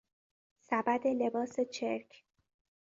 سبد لباس چرک